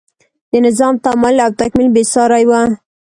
د نظام تمایل او تکمیل بې سارۍ و.